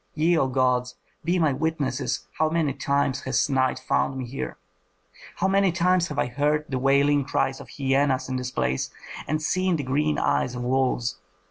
Ye, O gods, be my witnesses how many times has night found me here! how many times have I heard the wailing cries of hyenas in this place, and seen the green eyes of wolves!